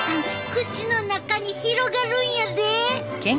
口の中に広がるんやで！